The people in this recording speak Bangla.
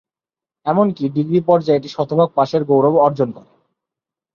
এমন কি ডিগ্রি পর্যায়ে এটি শতভাগ পাশের গৌরব অর্জন করে।